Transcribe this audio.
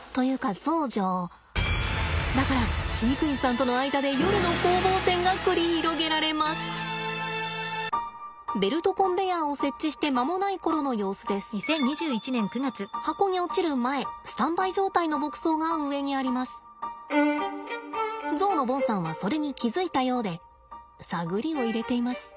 ゾウのボンさんはそれに気付いたようで探りを入れています。